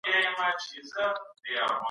صنعتي سکتور څنګه د صادراتو ودي ته پام کوي؟